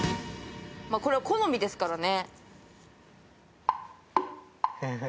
これは好みですからね。